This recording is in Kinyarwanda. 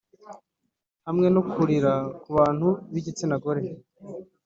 hamwe no kurira ku bantu b’igitsina gore